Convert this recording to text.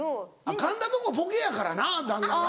神田のとこボケやからな旦那が。